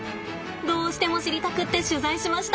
どうしても知りたくって取材しました。